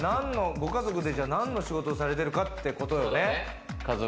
ご家族で何の仕事をされてるかってことだよね。